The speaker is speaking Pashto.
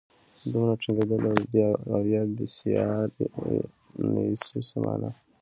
دومره ټینګېدل او یا بېسیار نویسي څه مانا.